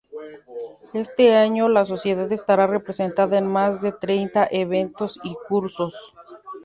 Este año, la Sociedad estará representada en más de treinta eventos y cursos.